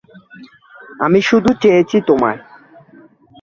আমি শুধু চেয়েছি তোমায়।